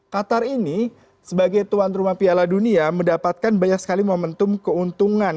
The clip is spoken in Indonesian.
qatar ini sebagai tuan rumah piala dunia mendapatkan banyak sekali momentum keuntungan